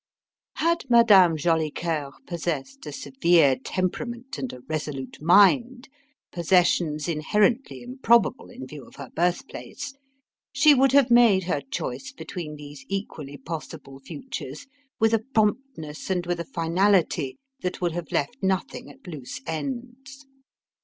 Had Madame Jolicoeur possessed a severe temperament and a resolute mind possessions inherently improbable, in view of her birthplace she would have made her choice between these equally possible futures with a promptness and with a finality that would have left nothing at loose ends.